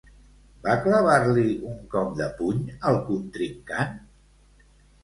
Va clavar-li un cop de puny al contrincant?